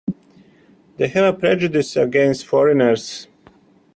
They have prejudices against foreigners.